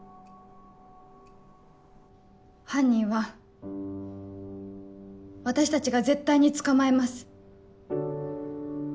犯人は私たちが絶対に捕まえます。